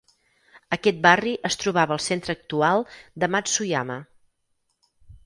Aquest barri es trobava al centre actual de Matsuyama.